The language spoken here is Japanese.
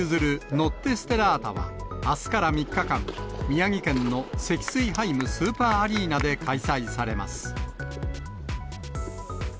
ノッテ・ステラータは、あすから３日間、宮城県のセキスイハイムスーパーアリーナで開催されます。